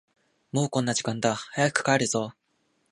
もうこんな時間だ、早く帰るぞ。